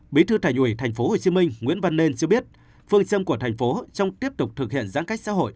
bí thư thành ủy tp hcm nguyễn văn nên cho biết phương châm của thành phố trong tiếp tục thực hiện giãn cách xã hội